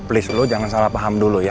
please lu jangan salah paham dulu ya